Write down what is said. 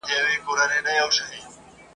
زموږ نیکونو دا ویلي له پخوا دي !.